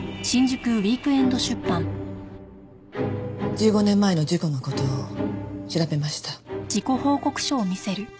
１５年前の事故の事を調べました。